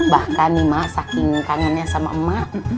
bahkan nih ma saking kangennya sama emak